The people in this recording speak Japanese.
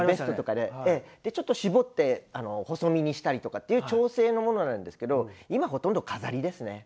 でちょっと絞って細身にしたりとかっていう調整のものなんですけど今ほとんど飾りですね。